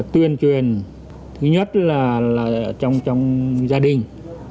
thứ nhất là trong gia đình